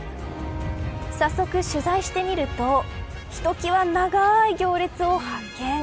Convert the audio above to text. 早速取材してみるとひときわ長い行列を発見。